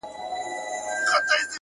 هره تېروتنه د پوهېدو فرصت لري!